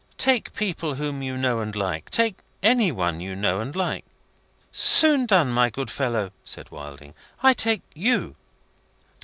Take people whom you know and like. Take any one you know and like." "Soon done, my good fellow," said Wilding. "I take you."